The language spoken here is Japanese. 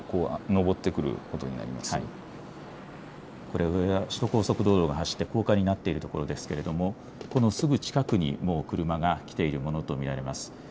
上は首都高速道路が走って高架になっているところですけれども、このすぐ近くに車が来ているものと見られます。